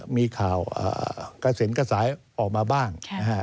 มีข่าวกระเซ็นกระสายออกมาบ้าง